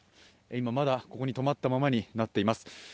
まだここに止まったままになっています。